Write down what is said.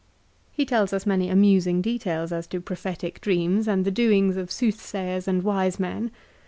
1 He tells us many amusing details as to prophetic dreams and the doings of soothsayers and wise men.